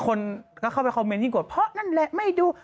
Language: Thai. คนก็เข้าไปคอมเมนตยิ่งกดเพราะนั่นแหละไม่ดู